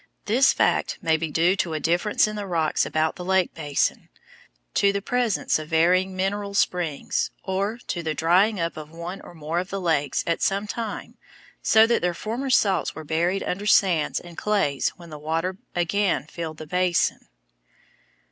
This fact may be due to a difference in the rocks about the lake basin, to the presence of varying mineral springs, or to the drying up of one or more of the lakes at some time so that their former salts were buried under sands and clays when the water again filled the basin.